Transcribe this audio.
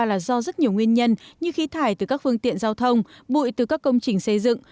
là do rất nhiều nguyên nhân như khí thải từ các phương tiện giao thông bụi từ các công trình xây dựng